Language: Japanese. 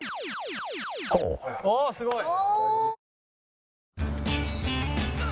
ああすごい！